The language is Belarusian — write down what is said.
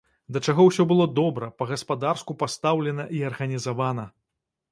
Да чаго ўсё было добра, па-гаспадарску пастаўлена і арганізавана!